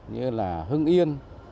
như hưng yên